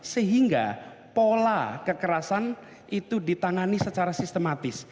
sehingga pola kekerasan itu ditangani secara sistematis